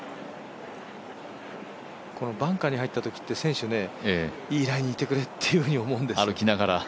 バンカーに入ったときって選手ねいいライにいてくれって思うんですよ。